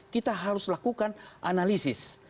kita harus lakukan analisis